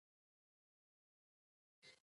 د انسان بې وسي او نور مسؤلیتونه.